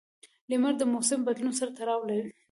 • لمر د موسم بدلون سره تړلی دی.